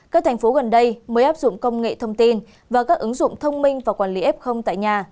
các thành phố gần đây mới áp dụng công nghệ thông tin và các ứng dụng thông minh và quản lý f tại nhà